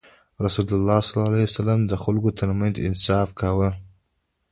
رسول الله ﷺ د خلکو ترمنځ انصاف کاوه.